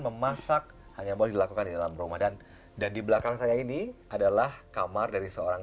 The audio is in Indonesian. memasak hanya boleh dilakukan di dalam rumah dan dan di belakang saya ini adalah kamar dari seorang